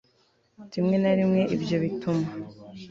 rimwe na rimwe ibyo bituma